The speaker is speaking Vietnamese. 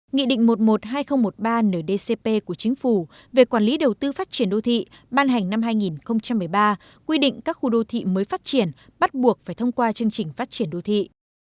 nghị định một trăm một mươi hai nghìn một mươi ba ndcp của chính phủ về quản lý đầu tư phát triển đô thị ban hành năm hai nghìn một mươi ba quy định các khu đô thị mới phát triển bắt buộc phải thông qua chương trình phát triển đô thị